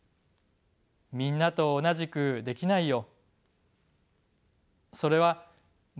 「みんなとおなじくできないよ」。